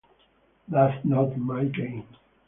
That’s not my game.